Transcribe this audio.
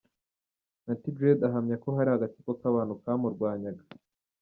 Natty Dread ahamya ko hari agatsiko k’abantu kamurwanyaga .